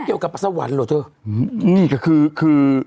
เกี่ยวกับประสะวันหรอเธอ